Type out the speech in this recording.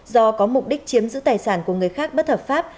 do có mục đích chiếm giữ tài sản của người khác bất hợp pháp